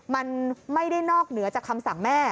มันไม่ได้นอกเหนือจากคำสั่งแม่